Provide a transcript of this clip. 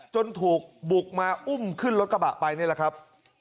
จนถูกบุกมาอุ้มขึ้นรถกระบะไปนี่แหละครับ